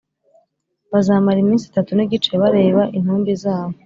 bazamara iminsi itatu n’igice bareba intumbi zabo,